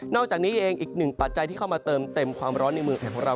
อกจากนี้เองอีกหนึ่งปัจจัยที่เข้ามาเติมเต็มความร้อนในเมืองไทยของเรา